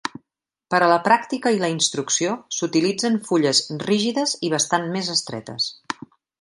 Per a la pràctica i la instrucció, s'utilitzen fulles rígides i bastant més estretes.